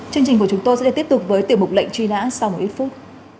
chương trình của chúng tôi sẽ được tiếp tục với tiểu mục lệnh truy nã sau một ít phút